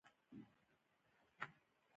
له محمود مساح څخه ریاضي او نور علوم زده کړل.